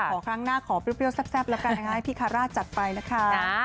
ขอครั้งหน้าขอเปรี้ยวแซ่บละกันไงพี่คาร่าจัดไปละค่ะ